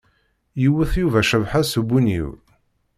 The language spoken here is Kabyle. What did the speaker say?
Yewwet Yuba Cabḥa s ubunyiw.